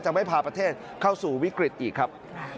ไม่พาประเทศเข้าสู่วิกฤตอีกครับ